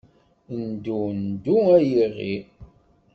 Ndu, ndu ay iɣi.